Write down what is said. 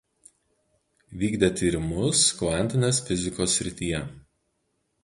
Vykdė tyrimus kvantinės fizikos srityje.